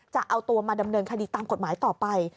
จะเอาตัวมาดำเนินคดีตามกฎหมายต่อไป